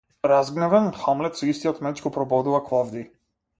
Разгневен, Хамлет со истиот меч го прободува Клавдиј.